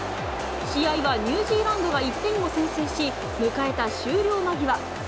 試合はニュージーランドが１点を先制し、迎えた終了間際。